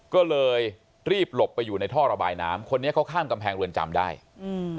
ก็เลยรีบหลบไปอยู่ในท่อระบายน้ำคนนี้เขาข้ามกำแพงเรือนจำได้อืม